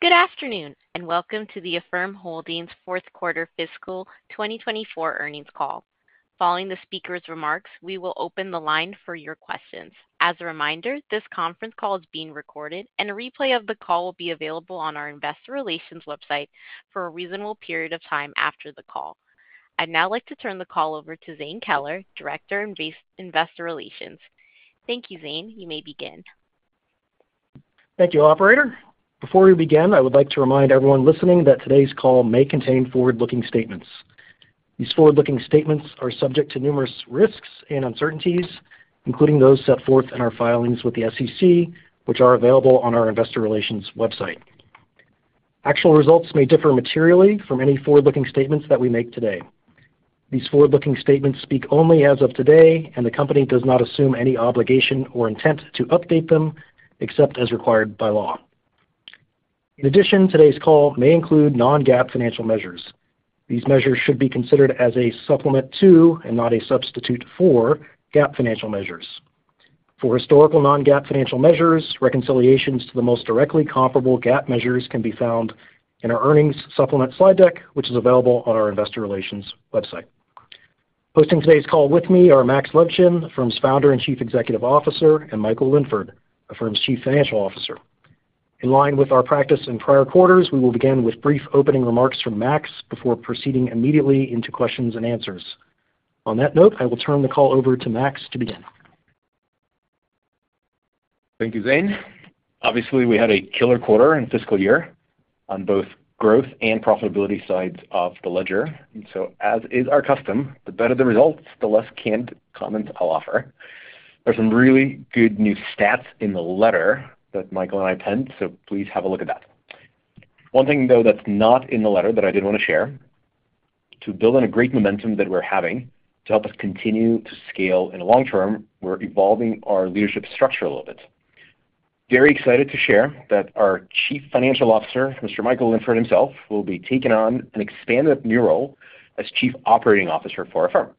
Good afternoon, and welcome to the Affirm Holdings' Fourth Quarter Fiscal 2024 earnings call. Following the speaker's remarks, we will open the line for your questions. As a reminder, this conference call is being recorded, and a replay of the call will be available on our investor relations website for a reasonable period of time after the call. I'd now like to turn the call over to Zane Keller, Director of Investor Relations. Thank you, Zane. You may begin. Thank you, operator. Before we begin, I would like to remind everyone listening that today's call may contain forward-looking statements. These forward-looking statements are subject to numerous risks and uncertainties, including those set forth in our filings with the SEC, which are available on our investor relations website. Actual results may differ materially from any forward-looking statements that we make today. These forward-looking statements speak only as of today, and the company does not assume any obligation or intent to update them, except as required by law. In addition, today's call may include non-GAAP financial measures. These measures should be considered as a supplement to, and not a substitute for, GAAP financial measures. For historical non-GAAP financial measures, reconciliations to the most directly comparable GAAP measures can be found in our earnings supplement slide deck, which is available on our investor relations website. Hosting today's call with me are Max Levchin, the firm's founder and Chief Executive Officer, and Michael Linford, the firm's Chief Financial Officer. In line with our practice in prior quarters, we will begin with brief opening remarks from Max before proceeding immediately into questions and answers. On that note, I will turn the call over to Max to begin. Thank you, Zane. Obviously, we had a killer quarter and fiscal year on both growth and profitability sides of the ledger. And so as is our custom, the better the results, the less canned comments I'll offer. There's some really good new stats in the letter that Michael and I penned, so please have a look at that. One thing, though, that's not in the letter that I did want to share, to build on a great momentum that we're having to help us continue to scale in the long term, we're evolving our leadership structure a little bit. Very excited to share that our Chief Financial Officer, Mr. Michael Linford himself, will be taking on an expanded new role as Chief Operating Officer for Affirm.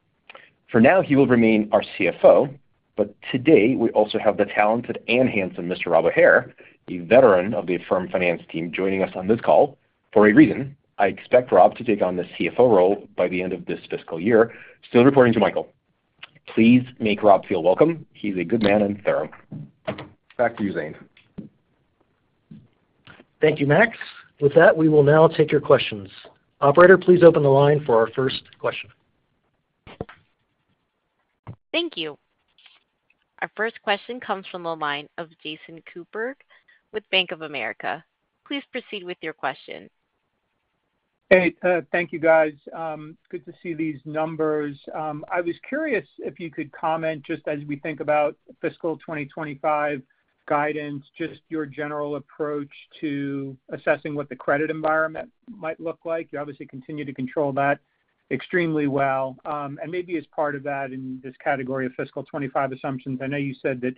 For now, he will remain our CFO, but today we also have the talented and handsome Mr. Rob O'Hare, a veteran of the Affirm finance team, joining us on this call for a reason. I expect Rob to take on the CFO role by the end of this fiscal year, still reporting to Michael. Please make Rob feel welcome. He's a good man and thorough. Back to you, Zane. Thank you, Max. With that, we will now take your questions. Operator, please open the line for our first question. Thank you. Our first question comes from the line of Jason Kupferberg with Bank of America. Please proceed with your question. Hey, thank you, guys. Good to see these numbers. I was curious if you could comment, just as we think about Fiscal 2025 guidance, just your general approach to assessing what the credit environment might look like. You obviously continue to control that extremely well, and maybe as part of that, in this category of Fiscal 2025 assumptions, I know you said that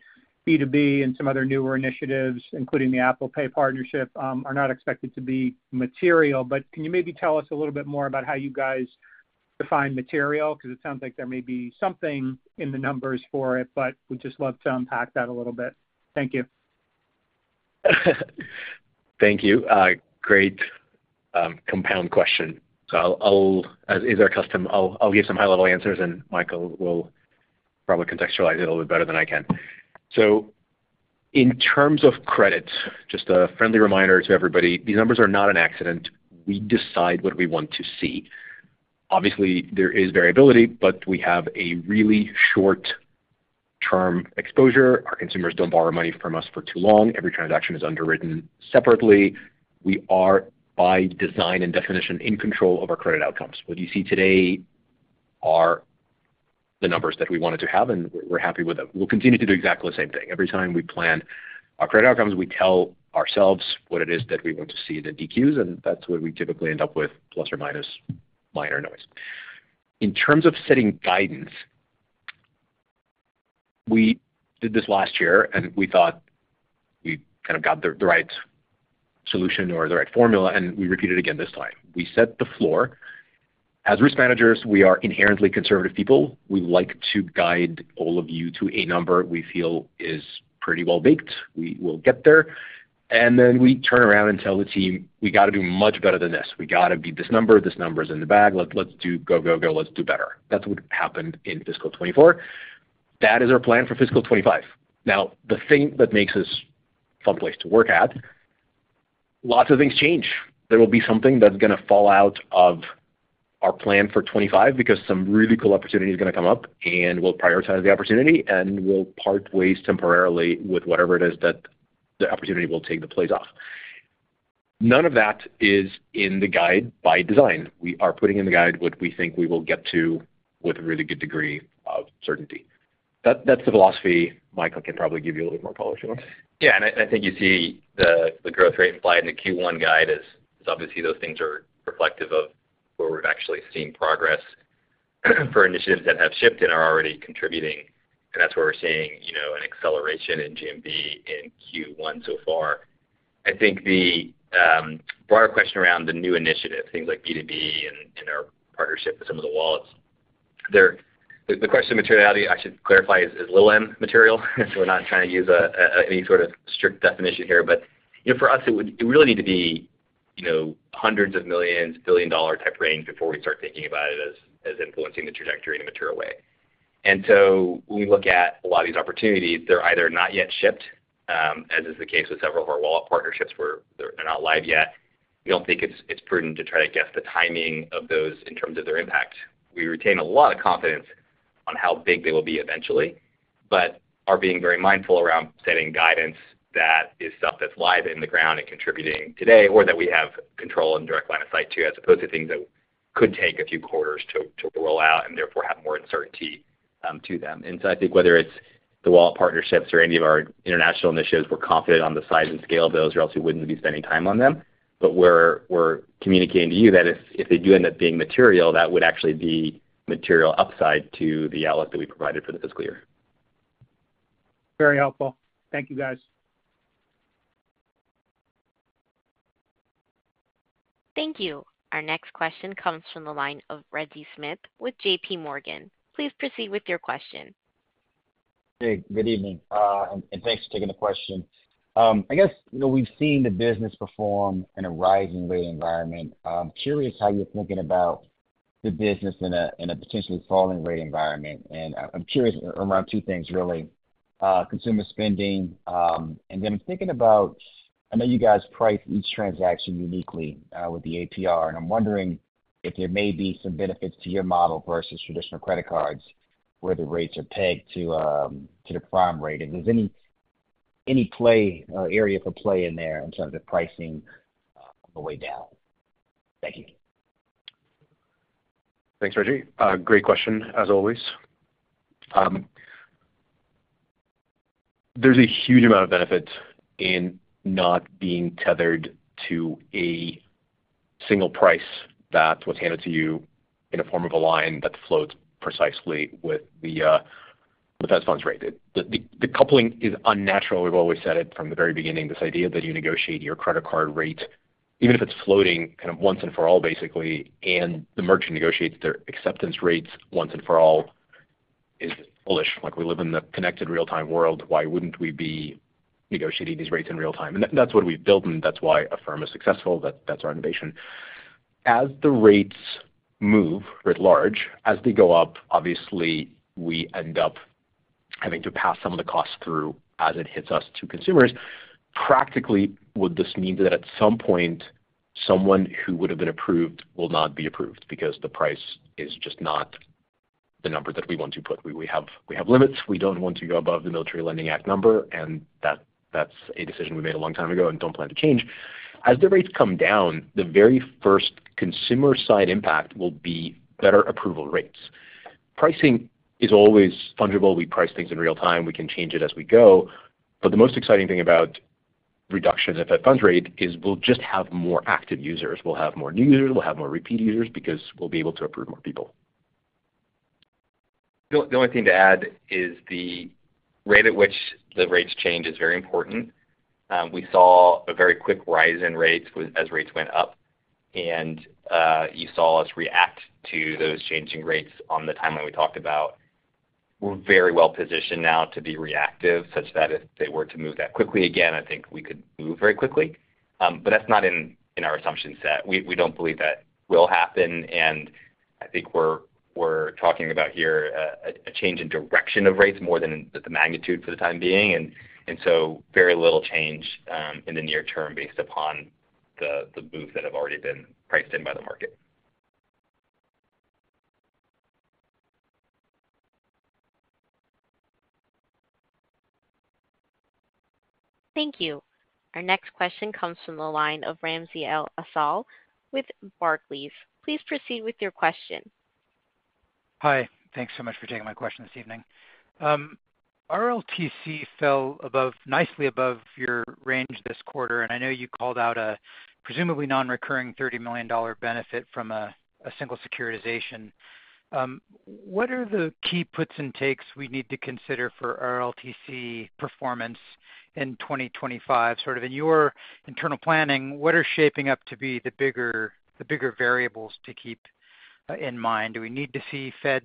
B2B and some other newer initiatives, including the Apple Pay partnership, are not expected to be material, but can you maybe tell us a little bit more about how you guys define material? Because it sounds like there may be something in the numbers for it, but we'd just love to unpack that a little bit. Thank you. Thank you. Great, compound question. I'll, as is our custom, give some high-level answers, and Michael will probably contextualize it a little bit better than I can. In terms of credit, just a friendly reminder to everybody, these numbers are not an accident. We decide what we want to see. Obviously, there is variability, but we have a really short-term exposure. Our consumers don't borrow money from us for too long. Every transaction is underwritten separately. We are, by design and definition, in control of our credit outcomes. What you see today are the numbers that we wanted to have, and we're happy with them. We'll continue to do exactly the same thing. Every time we plan our credit outcomes, we tell ourselves what it is that we want to see in the DQs, and that's what we typically end up with, plus or minus minor noise. In terms of setting guidance, we did this last year, and we thought we kind of got the right solution or the right formula, and we repeated again this time. We set the floor. As risk managers, we are inherently conservative people. We like to guide all of you to a number we feel is pretty well baked. We will get there, and then we turn around and tell the team, "We got to do much better than this. We got to beat this number. This number is in the bag. Let's, let's do go, go, go. Let's do better." That's what happened in fiscal 2024. That is our plan for Fiscal 2025. Now, the thing that makes us a fun place to work at, lots of things change. There will be something that's going to fall out of our plan for 2025 because some really cool opportunity is going to come up, and we'll prioritize the opportunity, and we'll part ways temporarily with whatever it is that the opportunity will take the place of. None of that is in the guide by design. We are putting in the guide what we think we will get to with a really good degree of certainty. That, that's the philosophy. Michael can probably give you a little bit more color if you want. Yeah, and I think you see the growth rate implied in the Q1 guide is obviously those things are reflective of where we've actually seen progress for initiatives that have shipped and are already contributing. And that's where we're seeing, you know, an acceleration in GMV in Q1 so far. I think the broader question around the new initiatives, things like B2B and the wallets. There, the question of materiality, I should clarify, is little m material. So we're not trying to use any sort of strict definition here, but, you know, for us, it would really need to be, you know, hundreds of millions, billion-dollar type range before we start thinking about it as influencing the trajectory in a material way. And so when we look at a lot of these opportunities, they're either not yet shipped, as is the case with several of our wallet partnerships, where they're not live yet. We don't think it's prudent to try to guess the timing of those in terms of their impact. We retain a lot of confidence on how big they will be eventually, but are being very mindful around setting guidance that is stuff that's live in the ground and contributing today, or that we have control and direct line of sight to, as opposed to things that could take a few quarters to roll out, and therefore have more uncertainty to them. And so I think whether it's the wallet partnerships or any of our international initiatives, we're confident on the size and scale of those, or else we wouldn't be spending time on them. But we're communicating to you that if they do end up being material, that would actually be material upside to the outlook that we provided for the fiscal year. Very helpful. Thank you, guys. Thank you. Our next question comes from the line of Reggie Smith with J.P. Morgan. Please proceed with your question. Hey, good evening, and thanks for taking the question. I guess, you know, we've seen the business perform in a rising rate environment. I'm curious how you're thinking about the business in a potentially falling rate environment. And I'm curious around two things, really. Consumer spending, and then I'm thinking about... I know you guys price each transaction uniquely, with the APR, and I'm wondering if there may be some benefits to your model versus traditional credit cards, where the rates are pegged to the prime rate. And if there's any play or area for play in there in terms of pricing, on the way down. Thank you. Thanks, Reggie. Great question, as always. There's a huge amount of benefit in not being tethered to a single price that was handed to you in a form of a line that floats precisely with the Fed funds rate. The coupling is unnatural. We've always said it from the very beginning, this idea that you negotiate your credit card rate, even if it's floating, kind of, once and for all, basically, and the merchant negotiates their acceptance rates once and for all, is bullish. Like, we live in the connected real-time world, why wouldn't we be negotiating these rates in real time? And that's what we've built, and that's why Affirm is successful. That's our innovation. As the rates move writ large, as they go up, obviously, we end up having to pass some of the costs through as it hits us to consumers. Practically, would this mean that at some point, someone who would have been approved will not be approved because the price is just not the number that we want to put? We have limits. We don't want to go above the Military Lending Act number, and that's a decision we made a long time ago and don't plan to change. As the rates come down, the very first consumer-side impact will be better approval rates. Pricing is always fungible. We price things in real time. We can change it as we go. But the most exciting thing about reductions at that funds rate is we'll just have more active users. We'll have more new users, we'll have more repeat users, because we'll be able to approve more people. The only thing to add is the rate at which the rates change is very important. We saw a very quick rise in rates as rates went up, and you saw us react to those changing rates on the timeline we talked about. We're very well positioned now to be reactive, such that if they were to move that quickly again, I think we could move very quickly. But that's not in our assumption set. We don't believe that will happen, and I think we're talking about here a change in direction of rates more than the magnitude for the time being, and so very little change in the near term based upon the moves that have already been priced in by the market. Thank you. Our next question comes from the line of Ramzi El-Assal with Barclays. Please proceed with your question. Hi. Thanks so much for taking my question this evening. RLTC fell nicely above your range this quarter, and I know you called out a presumably non-recurring $30 million benefit from a single securitization. What are the key puts and takes we need to consider for RLTC performance in 2025? Sort of in your internal planning, what are shaping up to be the bigger variables to keep in mind? Do we need to see Fed,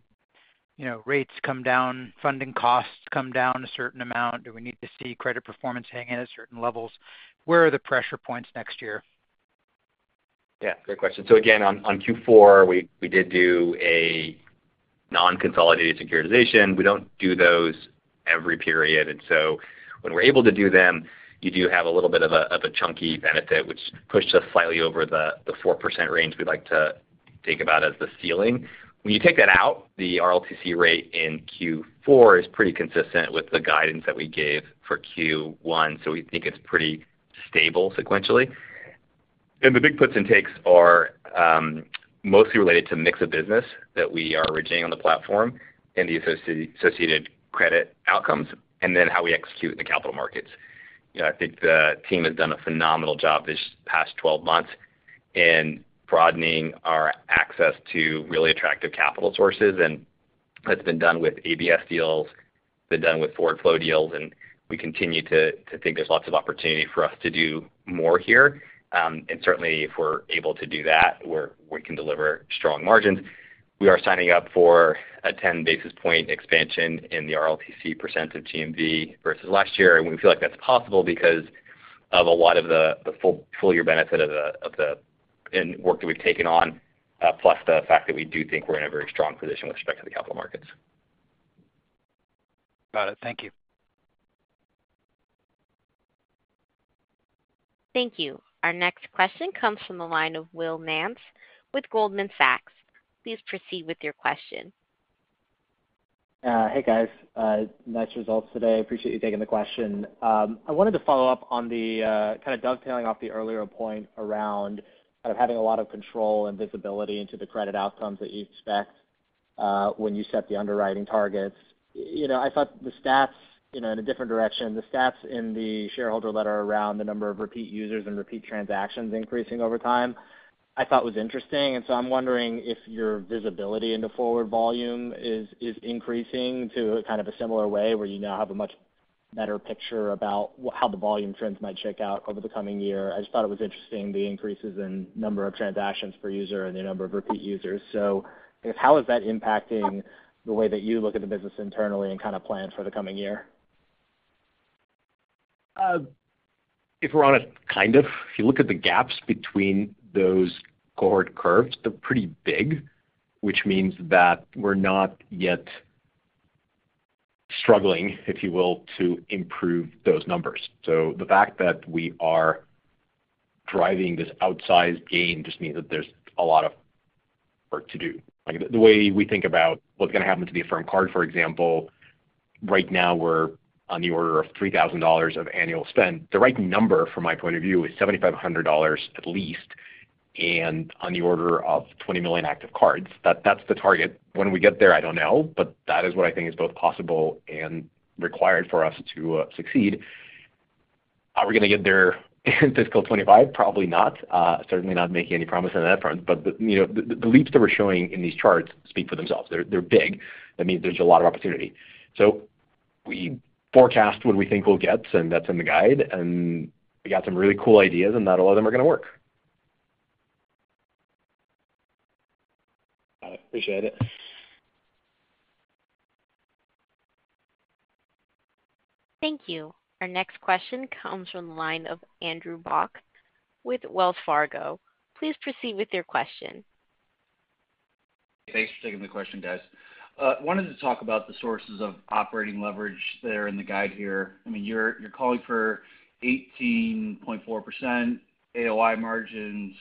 you know, rates come down, funding costs come down a certain amount? Do we need to see credit performance hang in at certain levels? Where are the pressure points next year? Yeah, great question. So again, on Q4, we did do a non-consolidated securitization. We don't do those every period, and so when we're able to do them, you do have a little bit of a chunky benefit, which pushed us slightly over the 4% range we'd like to think about as the ceiling. When you take that out, the RLTC rate in Q4 is pretty consistent with the guidance that we gave for Q1, so we think it's pretty stable sequentially. And the big puts and takes are mostly related to mix of business that we are originating on the platform and the associated credit outcomes, and then how we execute in the capital markets. You know, I think the team has done a phenomenal job this past twelve months in broadening our access to really attractive capital sources and-... That's been done with ABS deals, been done with forward flow deals, and we continue to think there's lots of opportunity for us to do more here. Certainly, if we're able to do that, we can deliver strong margins. We are signing up for a ten basis point expansion in the RLTC percent of GMV versus last year, and we feel like that's possible because of a lot of the full year benefit of the and work that we've taken on, plus the fact that we do think we're in a very strong position with respect to the capital markets. Got it. Thank you. Thank you. Our next question comes from the line of Will Nance with Goldman Sachs. Please proceed with your question. Hey, guys. Nice results today. Appreciate you taking the question. I wanted to follow up on the kind of dovetailing off the earlier point around kind of having a lot of control and visibility into the credit outcomes that you expect when you set the underwriting targets. You know, I thought the stats, you know, in a different direction, the stats in the shareholder letter around the number of repeat users and repeat transactions increasing over time, I thought was interesting. And so I'm wondering if your visibility into forward volume is increasing to kind of a similar way, where you now have a much better picture about how the volume trends might shake out over the coming year. I just thought it was interesting, the increases in number of transactions per user and the number of repeat users. So how is that impacting the way that you look at the business internally and kinda plan for the coming year? If you look at the gaps between those cohort curves, they're pretty big, which means that we're not yet struggling, if you will, to improve those numbers. So the fact that we are driving this outsized gain just means that there's a lot of work to do. Like, the way we think about what's going to happen to the Affirm Card, for example, right now we're on the order of $3,000 of annual spend. The right number, from my point of view, is $7,500 at least, and on the order of 20 million active cards. That's the target. When we get there, I don't know, but that is what I think is both possible and required for us to succeed. Are we going to get there in fiscal 2025? Probably not. Certainly not making any promises on that front. But you know, the leaps that we're showing in these charts speak for themselves. They're big. That means there's a lot of opportunity. So we forecast what we think we'll get, and that's in the guide, and we got some really cool ideas, and not a lot of them are going to work. I appreciate it. Thank you. Our next question comes from the line of Andrew Bauch with Wells Fargo. Please proceed with your question. Thanks for taking the question, guys. Wanted to talk about the sources of operating leverage that are in the guide here. I mean, you're calling for 18.4% AOI margins.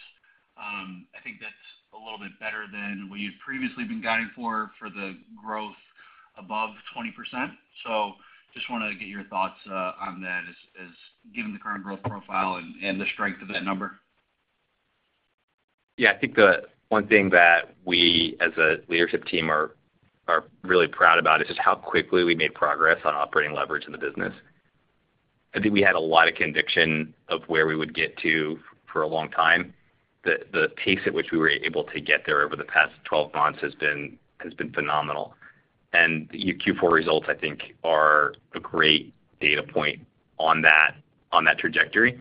I think that's a little bit better than what you've previously been guiding for, for the growth above 20%. So just want to get your thoughts on that as given the current growth profile and the strength of that number. Yeah, I think the one thing that we as a leadership team are really proud about is just how quickly we made progress on operating leverage in the business. I think we had a lot of conviction of where we would get to for a long time. The pace at which we were able to get there over the past twelve months has been phenomenal. And the Q4 results, I think, are a great data point on that trajectory.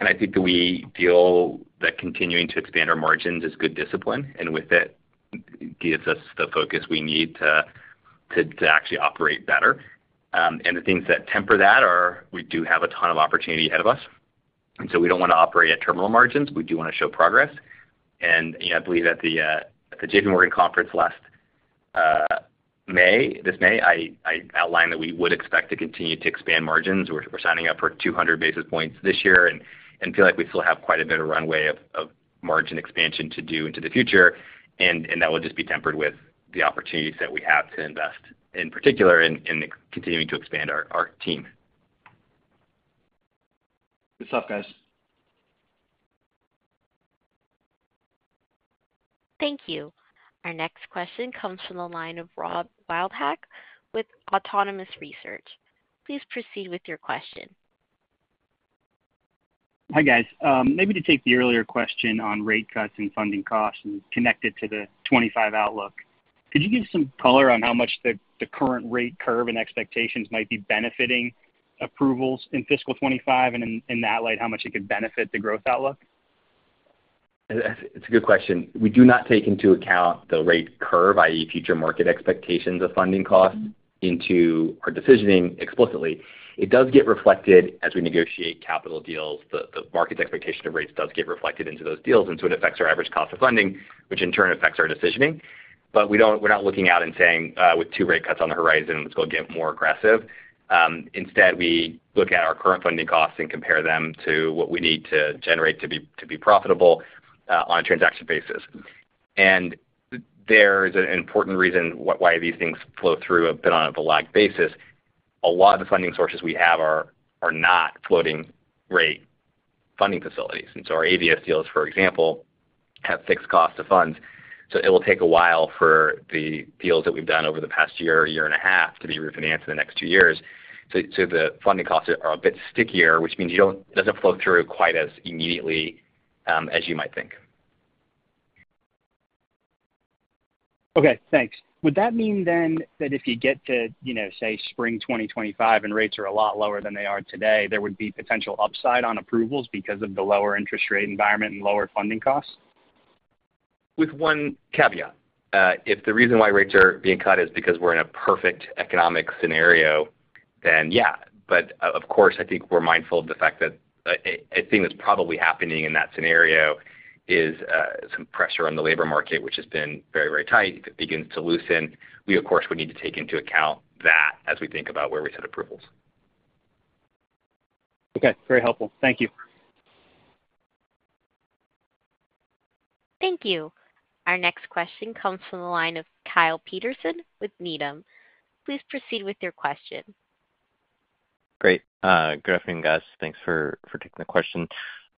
And I think that we feel that continuing to expand our margins is good discipline, and with it, gives us the focus we need to actually operate better. And the things that temper that are, we do have a ton of opportunity ahead of us, and so we don't want to operate at terminal margins. We do want to show progress. You know, I believe at the J.P. Morgan conference last May, this May, I outlined that we would expect to continue to expand margins. We're signing up for 200 basis points this year, and feel like we still have quite a bit of runway of margin expansion to do into the future, and that will just be tempered with the opportunities that we have to invest, in particular, in continuing to expand our team. Good stuff, guys. Thank you. Our next question comes from the line of Rob Wildhack with Autonomous Research. Please proceed with your question. Hi, guys. Maybe to take the earlier question on rate cuts and funding costs and connect it to the twenty-five outlook. Could you give some color on how much the current rate curve and expectations might be benefiting approvals in fiscal twenty-five, and in that light, how much it could benefit the growth outlook? It's a good question. We do not take into account the rate curve, i.e., future market expectations of funding costs into our decisioning explicitly. It does get reflected as we negotiate capital deals. The market's expectation of rates does get reflected into those deals, and so it affects our average cost of funding, which in turn affects our decisioning. But we don't. We're not looking out and saying, "With two rate cuts on the horizon, let's go get more aggressive." Instead, we look at our current funding costs and compare them to what we need to generate to be profitable on a transaction basis, and there is an important reason why these things flow through a bit on a lagged basis. A lot of the funding sources we have are not floating rate funding facilities, and so our ABS deals, for example, have fixed cost of funds. So it will take a while for the deals that we've done over the past year or year and a half to be refinanced in the next two years. So the funding costs are a bit stickier, which means you don't-- it doesn't flow through quite as immediately as you might think. Okay, thanks. Would that mean then that if you get to, you know, say, spring 2025, and rates are a lot lower than they are today, there would be potential upside on approvals because of the lower interest rate environment and lower funding costs? With one caveat. If the reason why rates are being cut is because we're in a perfect economic scenario, then yeah. But of course, I think we're mindful of the fact that a thing that's probably happening in that scenario is some pressure on the labor market, which has been very, very tight. If it begins to loosen, we, of course, would need to take into account that as we think about where we set approvals. Okay, very helpful. Thank you. Thank you. Our next question comes from the line of Kyle Peterson with Needham. Please proceed with your question. Great. Good afternoon, guys. Thanks for taking the question.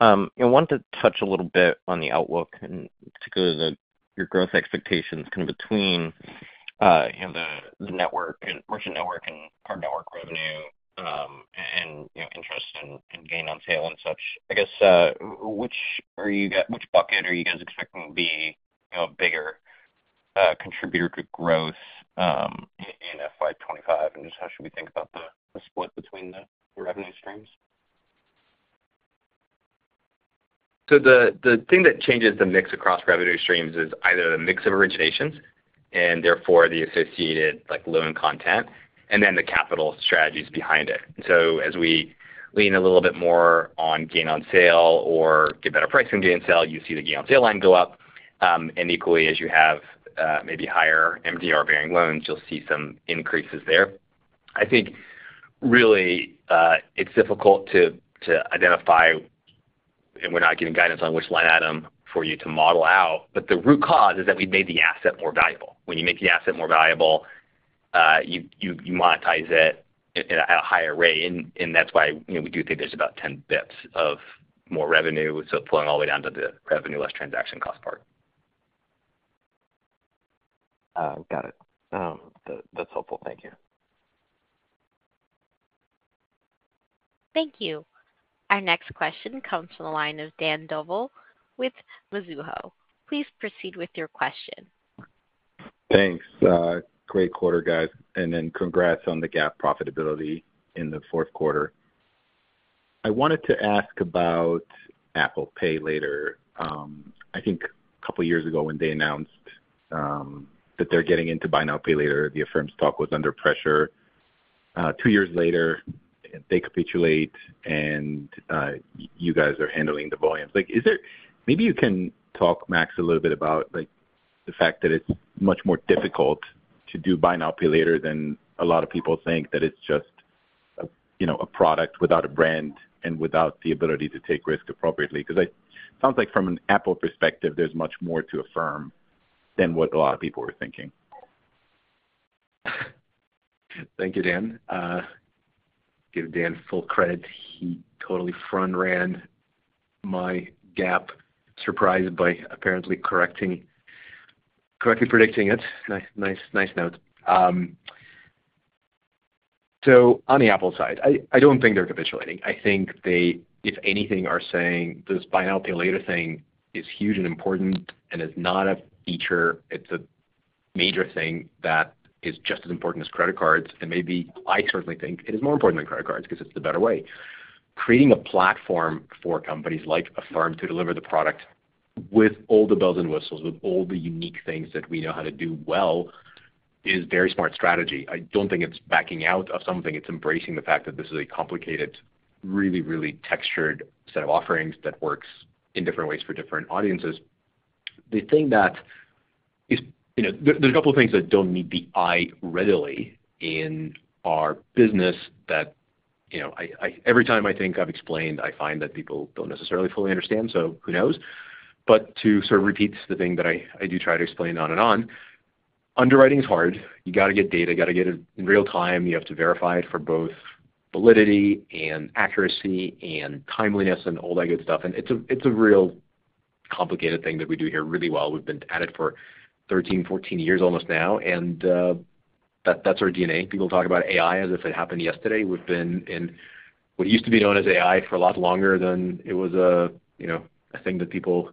I wanted to touch a little bit on the outlook and particularly your growth expectations, kind of between, you know, the network and merchant network and our network revenue, and, you know, interest and gain on sale and such. I guess, which are you guys expecting will be, you know, a bigger contributor to growth, in FY 2025? And just how should we think about the split between the revenue streams? So the thing that changes the mix across revenue streams is either the mix of originations, and therefore the associated, like, loan content, and then the capital strategies behind it. So as we lean a little bit more on gain on sale or get better pricing gain on sale, you see the gain on sale line go up. And equally, as you have maybe higher MDR-bearing loans, you'll see some increases there. I think really it's difficult to identify, and we're not giving guidance on which line item for you to model out, but the root cause is that we've made the asset more valuable. When you make the asset more valuable, you monetize it at a higher rate, and that's why, you know, we do think there's about ten basis points of more revenue. So flowing all the way down to the revenue less transaction costs part. Got it. That's helpful. Thank you. Thank you. Our next question comes from the line of Dan Dolev with Mizuho. Please proceed with your question. Thanks. Great quarter, guys, and then congrats on the GAAP profitability in the fourth quarter. I wanted to ask about Apple Pay Later. I think a couple of years ago, when they announced that they're getting into buy now, pay later, Affirm's stock was under pressure. Two years later, they capitulate, and you guys are handling the volumes. Like, is there... Maybe you can talk, Max, a little bit about, like, the fact that it's much more difficult to do buy now, pay later than a lot of people think, that it's just, you know, a product without a brand and without the ability to take risk appropriately. Because sounds like from an Apple perspective, there's much more to Affirm than what a lot of people were thinking. Thank you, Dan. Give Dan full credit. He totally front-ran my GAAP, surprised by apparently correctly predicting it. Nice, nice, nice note. So on the Apple side, I don't think they're capitulating. I think they, if anything, are saying this buy now, pay later thing is huge and important and is not a feature. It's a major thing that is just as important as credit cards, and maybe I certainly think it is more important than credit cards because it's the better way. Creating a platform for companies like Affirm to deliver the product with all the bells and whistles, with all the unique things that we know how to do well, is very smart strategy. I don't think it's backing out of something. It's embracing the fact that this is a complicated, really, really textured set of offerings that works in different ways for different audiences. The thing that is, you know, there's a couple of things that don't meet the eye readily in our business that, you know, every time I think I've explained, I find that people don't necessarily fully understand, so who knows, but to sort of repeat the thing that I do try to explain on and on, underwriting is hard. You got to get data, you got to get it in real time, you have to verify it for both validity and accuracy and timeliness and all that good stuff, and it's a real complicated thing that we do here really well. We've been at it for 13 years, 14 years almost now, and that, that's our DNA. People talk about AI as if it happened yesterday. We've been in what used to be known as AI for a lot longer than it was a, you know, a thing that people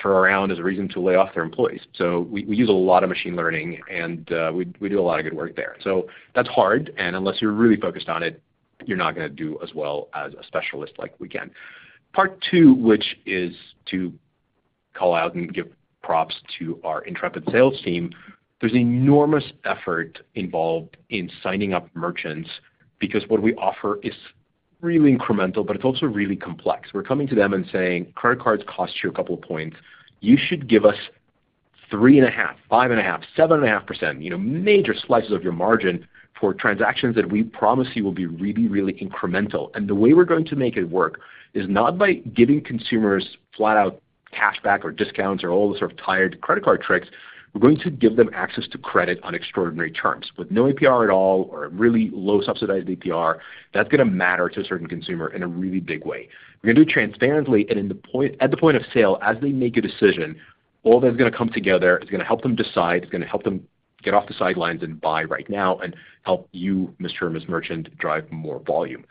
throw around as a reason to lay off their employees. So we use a lot of machine learning, and we do a lot of good work there. So that's hard, and unless you're really focused on it, you're not going to do as well as a specialist like we can. Part two, which is to call out and give props to our intrepid sales team, there's enormous effort involved in signing up merchants because what we offer is really incremental, but it's also really complex. We're coming to them and saying, "Credit cards cost you a couple of points. You should give us 3.5%, 5.5%, 7.5%, you know, major slices of your margin for transactions that we promise you will be really, really incremental. And the way we're going to make it work is not by giving consumers flat-out cash back or discounts or all the sort of tired credit card tricks. We're going to give them access to credit on extraordinary terms, with no APR at all or a really low subsidized APR. That's going to matter to a certain consumer in a really big way. We're going to do it transparently and at the point of sale, as they make a decision, all that's going to come together. It's going to help them decide, it's going to help them get off the sidelines and buy right now, and help you, Mr. and Ms. Merchants drive more volume.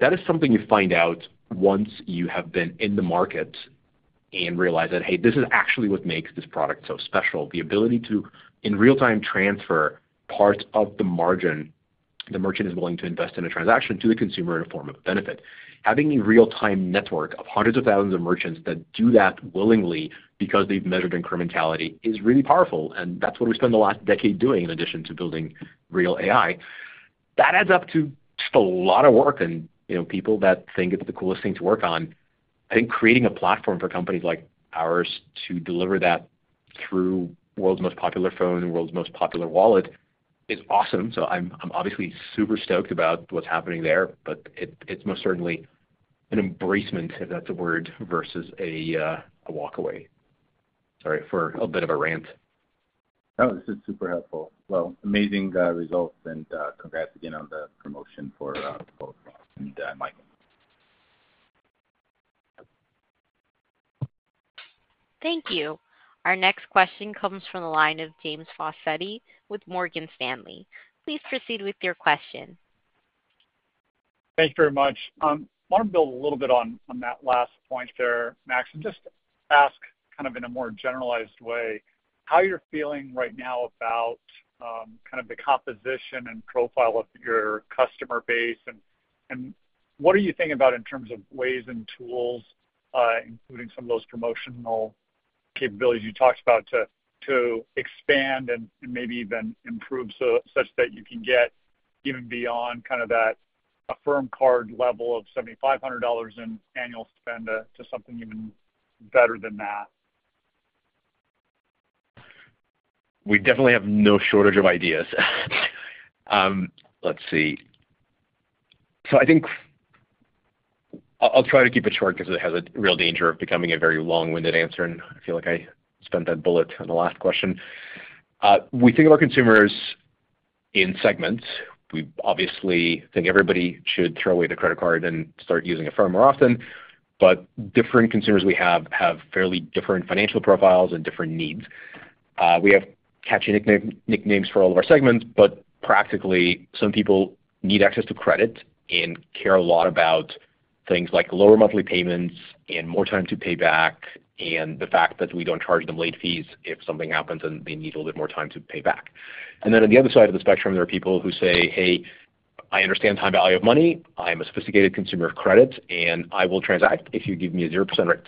That is something you find out once you have been in the market and realize that, hey, this is actually what makes this product so special. The ability to, in real time, transfer parts of the margin the merchant is willing to invest in a transaction to the consumer in a form of a benefit. Having a real-time network of hundreds of thousands of merchants that do that willingly because they've measured incrementality is really powerful, and that's what we spent the last decade doing, in addition to building real AI. That adds up to just a lot of work and, you know, people that think it's the coolest thing to work on. I think creating a platform for companies like ours to deliver that through world's most popular phone and world's most popular wallet is awesome. I'm obviously super stoked about what's happening there, but it's most certainly an embracement, if that's a word, versus a walkaway. Sorry for a bit of a rant. No, this is super helpful. Well, amazing results, and congrats again on the promotion for both Rob and Michael. Thank you. Our next question comes from the line of James Faucette with Morgan Stanley. Please proceed with your question. Thank you very much. Want to build a little bit on that last point there, Max, and just ask kind of in a more generalized way, how you're feeling right now about kind of the composition and profile of your customer base, and what are you thinking about in terms of ways and tools, including some of those promotional capabilities you talked about, to expand and maybe even improve such that you can get even beyond kind of that Affirm card level of $7,500 in annual spend, to something even better than that? We definitely have no shortage of ideas. So I think... I'll try to keep it short because it has a real danger of becoming a very long-winded answer, and I feel like I spent that bullet on the last question. We think about consumers in segments. We obviously think everybody should throw away the credit card and start using Affirm more often, but different consumers we have have fairly different financial profiles and different needs. We have catchy nicknames for all of our segments, but practically, some people need access to credit and care a lot about things like lower monthly payments and more time to pay back, and the fact that we don't charge them late fees if something happens and they need a little bit more time to pay back. And then on the other side of the spectrum, there are people who say, "Hey, I understand time value of money. I'm a sophisticated consumer of credit, and I will transact if you give me a 0% rate."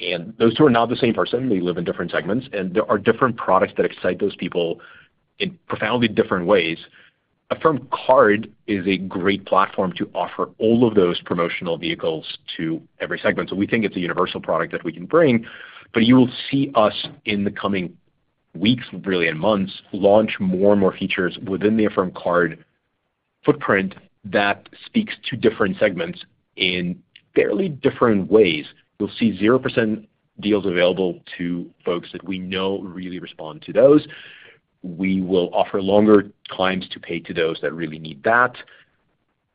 And those two are not the same person. They live in different segments, and there are different products that excite those people in profoundly different ways. Affirm Card is a great platform to offer all of those promotional vehicles to every segment. So we think it's a universal product that we can bring, but you will see us in the coming weeks, really in months, launch more and more features within the Affirm Card footprint that speaks to different segments in fairly different ways. You'll see 0% deals available to folks that we know really respond to those. We will offer longer times to pay to those that really need that.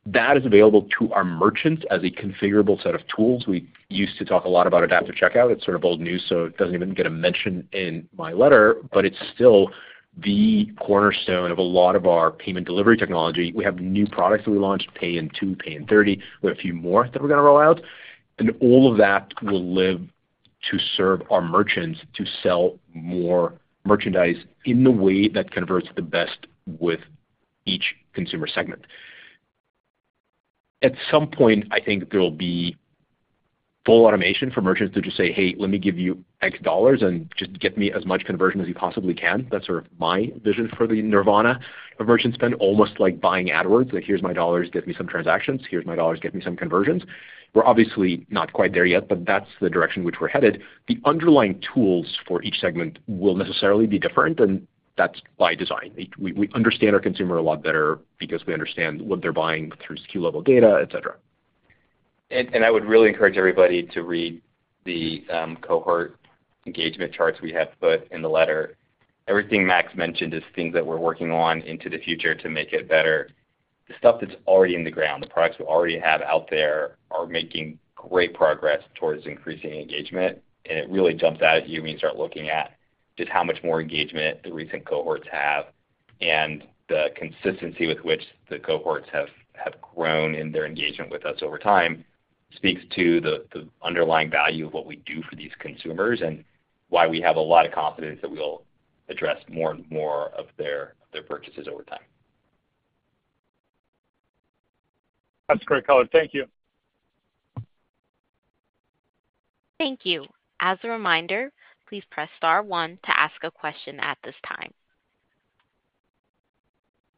That is available to our merchants as a configurable set of tools. We used to talk a lot about Adaptive Checkout. It's sort of old news, so it doesn't even get a mention in my letter, but it's still the cornerstone of a lot of our payment delivery technology. We have new products that we launched, Pay in 2, Pay in 30. We have a few more that we're going to roll out, and all of that will live to serve our merchants to sell more merchandise in the way that converts the best with each consumer segment. At some point, I think there will be full automation for merchants to just say, "Hey, let me give you X dollars, and just get me as much conversion as you possibly can." That's sort of my vision for the Nirvana of merchant spend, almost like buying AdWords. Like, here's my dollars, get me some transactions. Here's my dollars, get me some conversions. We're obviously not quite there yet, but that's the direction which we're headed. The underlying tools for each segment will necessarily be different, and that's by design. We understand our consumer a lot better because we understand what they're buying through SKU-level data, et cetera. I would really encourage everybody to read the cohort engagement charts we have put in the letter. Everything Max mentioned is things that we're working on into the future to make it better. The stuff that's already in the ground, the products we already have out there, are making great progress towards increasing engagement, and it really jumps out at you when you start looking at just how much more engagement the recent cohorts have. The consistency with which the cohorts have grown in their engagement with us over time speaks to the underlying value of what we do for these consumers, and why we have a lot of confidence that we'll address more and more of their purchases over time. That's great color. Thank you. Thank you. As a reminder, please press star one to ask a question at this time.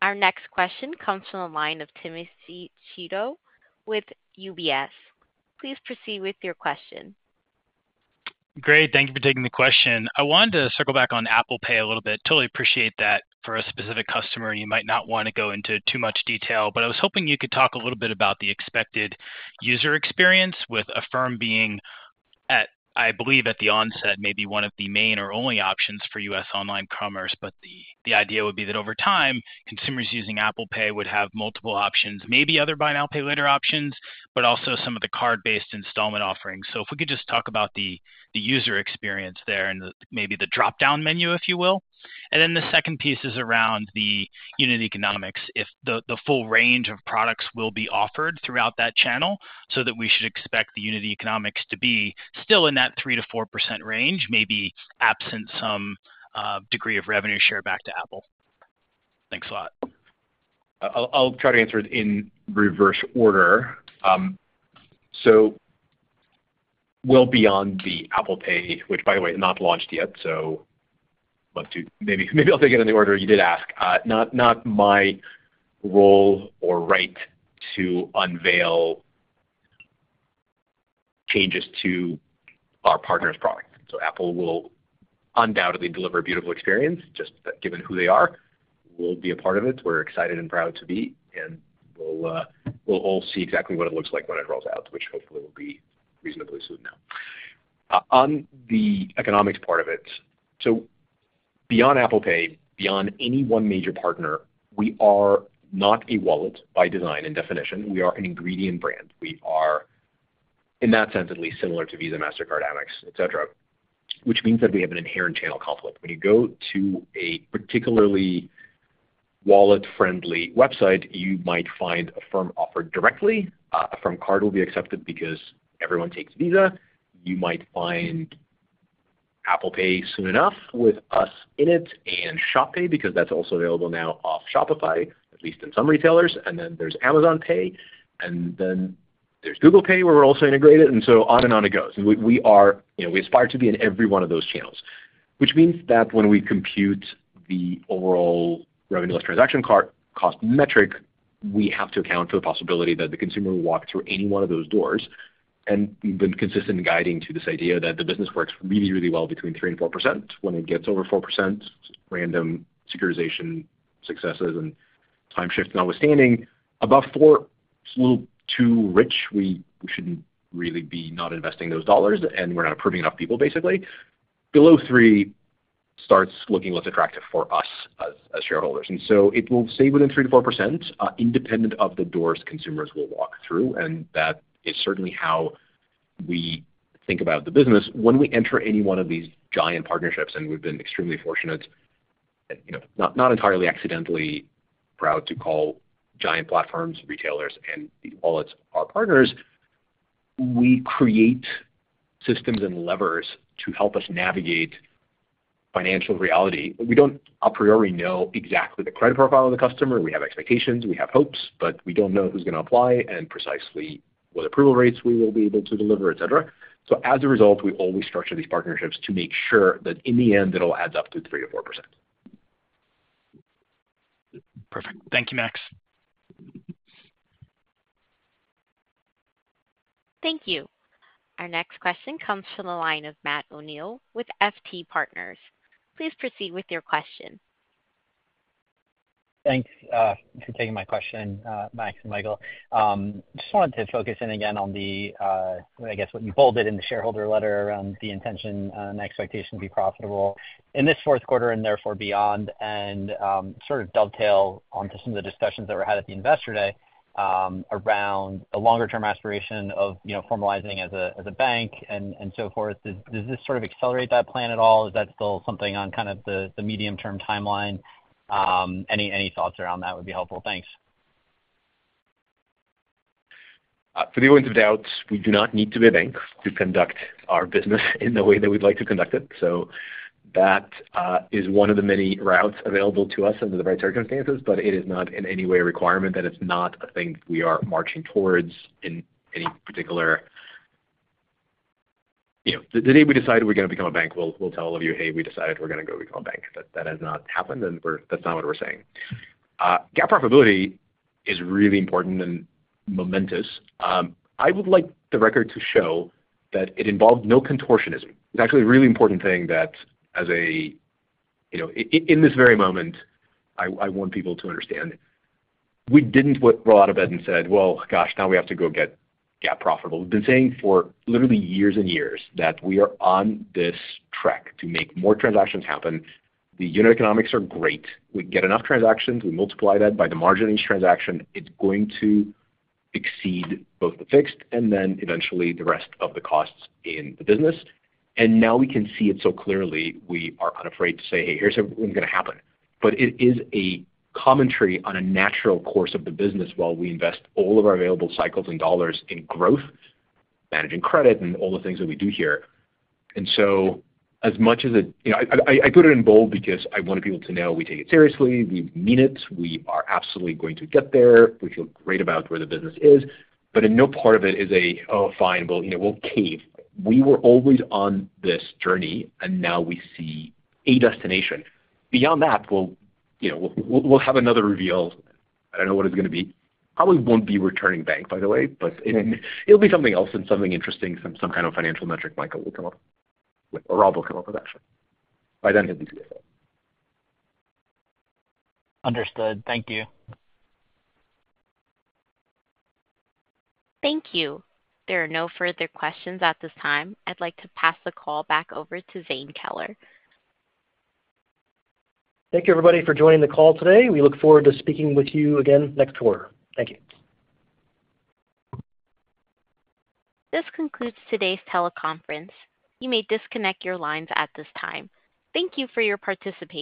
Our next question comes from the line of Timothy Chiodo with UBS. Please proceed with your question. Great, thank you for taking the question. I wanted to circle back on Apple Pay a little bit. Totally appreciate that for a specific customer, and you might not want to go into too much detail, but I was hoping you could talk a little bit about the expected user experience with Affirm being, I believe, at the onset, maybe one of the main or only options for U.S. online commerce, but the idea would be that over time, consumers using Apple Pay would have multiple options, maybe other buy now, pay later options, but also some of the card-based installment offerings. So if we could just talk about the user experience there and maybe the drop-down menu, if you will. And then the second piece is around the unit economics, if the full range of products will be offered throughout that channel, so that we should expect the unit economics to be still in that 3%-4% range, maybe absent some degree of revenue share back to Apple. Thanks a lot. I'll try to answer it in reverse order. So well beyond the Apple Pay, which by the way, is not launched yet. Maybe I'll take it in the order you did ask. Not my role or right to unveil changes to our partner's product. So Apple will undoubtedly deliver a beautiful experience, just given who they are. We'll be a part of it. We're excited and proud to be, and we'll all see exactly what it looks like when it rolls out, which hopefully will be reasonably soon now. On the economics part of it, so beyond Apple Pay, beyond any one major partner, we are not a wallet by design and definition. We are an ingredient brand. We are, in that sense, at least similar to Visa, Mastercard, Amex, et cetera, which means that we have an inherent channel conflict. When you go to a particularly wallet-friendly website, you might find Affirm offered directly. A Affirm Card will be accepted because everyone takes Visa. You might find Apple Pay soon enough with us in it, and Shop Pay, because that's also available now off Shopify, at least in some retailers. And then there's Amazon Pay, and then there's Google Pay, where we're also integrated, and so on and on it goes. We are... You know, we aspire to be in every one of those channels, which means that when we compute the overall revenue less transaction costs metric, we have to account for the possibility that the consumer will walk through any one of those doors. We've been consistent in guiding to this idea that the business works really, really well between 3% and 4%. When it gets over 4%, random securitization successes and time shift notwithstanding, above 4%, it's a little too rich. We shouldn't really be not investing those dollars, and we're not approving enough people, basically. Below 3%, starts looking less attractive for us as shareholders. So it will stay within 3% to 4%, independent of the doors consumers will walk through, and that is certainly how we think about the business. When we enter any one of these giant partnerships, and we've been extremely fortunate, and, you know, not entirely accidentally proud to call giant platforms, retailers, and e-wallets our partners, we create systems and levers to help us navigate financial reality. We don't a priori know exactly the credit profile of the customer. We have expectations, we have hopes, but we don't know who's going to apply and precisely what approval rates we will be able to deliver, et cetera. So as a result, we always structure these partnerships to make sure that in the end, it all adds up to 3%-4%. Perfect. Thank you, Max. Thank you. Our next question comes from the line of Matt O'Neill with FT Partners. Please proceed with your question. Thanks, for taking my question, Max and Michael. Just wanted to focus in again on the, I guess what you bolded in the shareholder letter around the intention, and expectation to be profitable in this fourth quarter and therefore beyond, and, sort of dovetail onto some of the discussions that were had at the Investor Day, around the longer-term aspiration of, you know, formalizing as a, as a bank and, and so forth. Does this sort of accelerate that plan at all? Is that still something on kind of the medium-term timeline? Any thoughts around that would be helpful. Thanks. For the avoidance of doubts, we do not need to be a bank to conduct our business in the way that we'd like to conduct it. So that is one of the many routes available to us under the right circumstances, but it is not in any way a requirement, that it's not a thing we are marching towards in any particular. You know, the day we decide we're gonna become a bank, we'll tell all of you, "Hey, we decided we're gonna go become a bank." That has not happened, and we're, that's not what we're saying. GAAP profitability is really important and momentous. I would like the record to show that it involved no contortionism. It's actually a really important thing that as a... You know, in this very moment, I want people to understand, we didn't roll out of bed and said: Well, gosh, now we have to go get GAAP profitable. We've been saying for literally years and years that we are on this track to make more transactions happen. The unit economics are great. We get enough transactions, we multiply that by the margin of each transaction, it's going to exceed both the fixed and then eventually the rest of the costs in the business. And now we can see it so clearly, we are unafraid to say: Hey, here's what's going to happen. But it is a commentary on a natural course of the business while we invest all of our available cycles and dollars in growth, managing credit, and all the things that we do here. So as much as it. You know, I put it in bold because I wanted people to know we take it seriously, we mean it, we are absolutely going to get there. We feel great about where the business is, but in no part of it is a, "Oh, fine, well, you know, we'll cave." We were always on this journey, and now we see a destination. Beyond that, we'll, you know, we'll have another reveal. I don't know what it's gonna be. Probably won't be returning bank, by the way, but it'll be something else and something interesting, some kind of financial metric Michael will come up with, or Rob will come up with, actually. By then, he'll be CFO. Understood. Thank you. Thank you. There are no further questions at this time. I'd like to pass the call back over to Zane Keller. Thank you, everybody, for joining the call today. We look forward to speaking with you again next quarter. Thank you. This concludes today's teleconference. You may disconnect your lines at this time. Thank you for your participation.